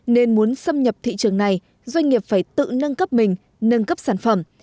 nên muốn xâm nhập thị trường này doanh nghiệp phải tự nâng cấp mình nâng cấp sản phẩm